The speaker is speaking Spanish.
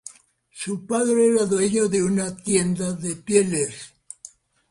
Su padre era dueño de una tienda de pieles.